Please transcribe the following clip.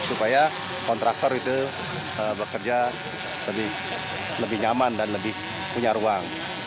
supaya kontraktor itu bekerja lebih nyaman dan lebih punya ruang